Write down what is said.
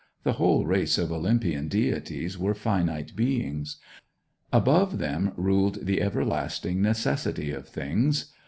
The whole race of Olympian deities were finite beings. Above them ruled the everlasting necessity of things.